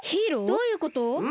どういうこと？